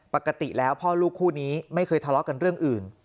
ปกติแล้วพ่อลูกคู่นี้ไม่เคยทะเลาะกันเรื่องอื่น